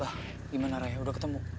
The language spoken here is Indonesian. wah gimana raya udah ketemu